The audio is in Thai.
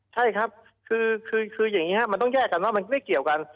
ใช่ครับคืออย่างนี้ครับมันต้องแยกกันว่ามันไม่เกี่ยวกัน